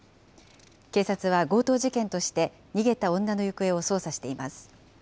警察は強盗事件として逃げた女の行方を捜査しています。